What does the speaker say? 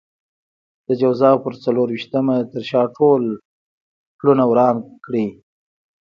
د جوزا پر څلور وېشتمه تر شا ټول پلونه وران کړئ.